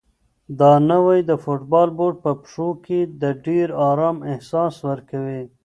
دا نوی د فوټبال بوټ په پښو کې د ډېر ارام احساس ورکوي.